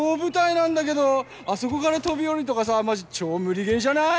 あそこから飛び降りるとかさマジ超無理ゲーじゃない？